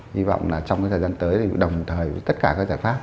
hy vọng là trong cái thời gian tới thì đồng thời với tất cả các giải pháp